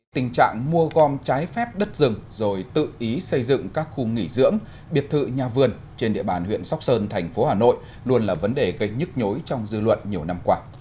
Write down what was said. tình trạng mua gom trái phép đất rừng rồi tự ý xây dựng các khu nghỉ dưỡng biệt thự nhà vườn trên địa bàn huyện sóc sơn thành phố hà nội luôn là vấn đề gây nhức nhối trong dư luận nhiều năm qua